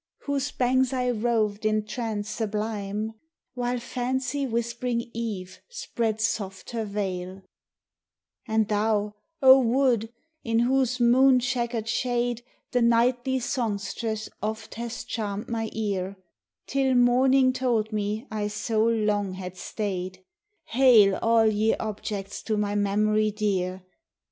whose banks I roved in trance sublime, While fancy whispering Eve spread soft her veil; And thou, O Wood, in whose moon checkered shade The nightly songstress oft has charm'd my ear Till Morning told me I so long had stay'd: Hail all ye objects to my memory dear!